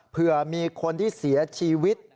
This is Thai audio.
เผื่อมีคนที่เสียชีวิต